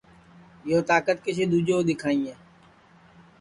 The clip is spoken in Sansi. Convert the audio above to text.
یو تاکت کسی دؔوجے کُو دؔیکھائیں